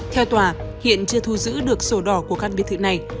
theo tòa hiện chưa thu giữ được sổ đỏ của căn biệt thự này